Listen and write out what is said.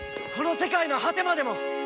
この世界の果てまでも！